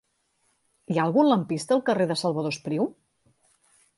Hi ha algun lampista al carrer de Salvador Espriu?